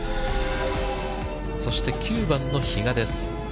そして、９番の比嘉です。